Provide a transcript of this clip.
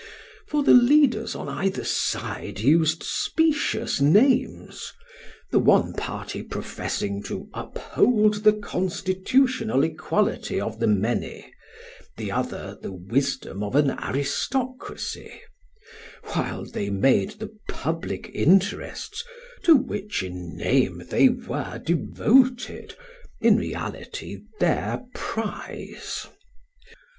For the leaders on either side used specious names, the one party professing to uphold the constitutional equality of the many, the other the wisdom of an aristocracy, while they made the public interests, to which in name they were devoted, in reality their prize.